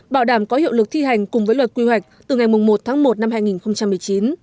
bảo đảm có hiệu lực thi hành cùng với luật quy hoạch từ ngày một tháng một năm hai nghìn một mươi chín